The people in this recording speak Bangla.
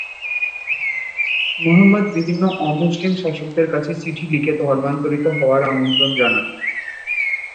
মুহাম্মদ বিভিন্ন অমুসলিম শাসকদের কাছে চিঠি লিখে ধর্মান্তরিত হওয়ার আমন্ত্রণ জানান।